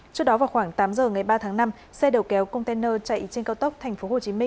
trước đó vào khoảng tám giờ ngày ba tháng năm xe đầu kéo container chạy trên cao tốc tp hcm